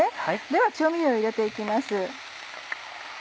では調味料を入れて行きます。